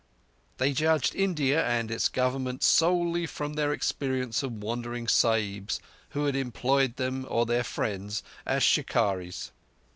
They judged India and its Government solely from their experience of wandering Sahibs who had employed them or their friends as shikarris.